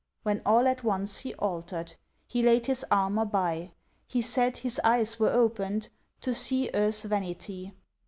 When all at once he altered, He laid his armour by, He said, his eyes were opened To see earth's vanity.